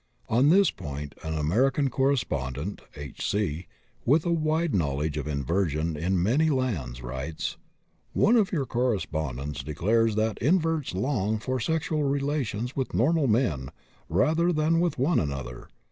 On this point an American correspondent (H.C.), with a wide knowledge of inversion in many lands, writes: "One of your correspondents declares that inverts long for sexual relations with normal men rather than with one another.